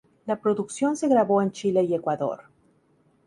La producción se grabó en Chile y Ecuador.